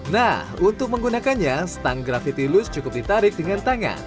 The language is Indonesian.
nah untuk menggunakannya stang grafity loose cukup ditarik dengan tangan